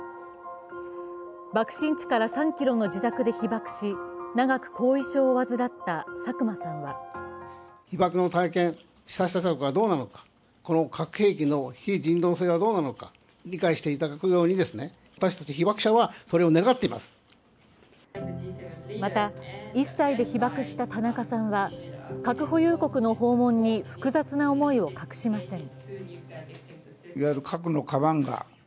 爆心地から３ｋｍの自宅で被爆し長く後遺症を患った佐久間さんはまた、１歳で被爆した田中さんは核保有国の訪問に複雑な思いを隠しません。